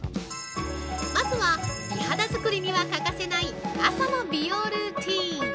まずは、美肌作りには欠かせない朝の美容ルーティーン。